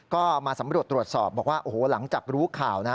ก็มาสำรวจตรวจสอบบอกว่าโอ้โหหลังจากรู้ข่าวนะ